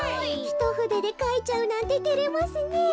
ひとふででかいちゃうなんててれますねえ。